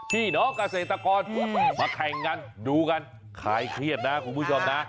พี่น้องเกษตรกรมาแข่งกันดูกันคลายเครียดนะคุณผู้ชมนะ